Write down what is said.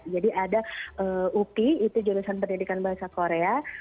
jadi ada upi itu jurusan pendidikan bahasa korea